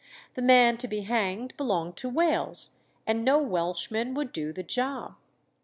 The man to be hanged belonged to Wales, and no Welshman would do the job.